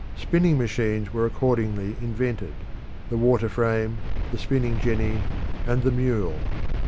Spinning machines were accordingly invented: the water frame, the spinning jenny, and the mule.